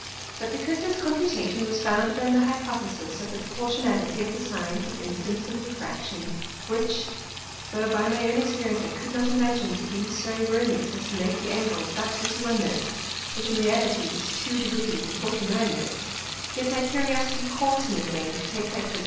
But because this Computation was founded on the Hypothesis of the proportionality of the Sines of Incidence and Refraction, which, tho' by my own Experience I could not imagine to be so erroneous as to make that Angle but 31', which in reality was 2° 49'; yet my Curiosity caus'd me again to take my Prism.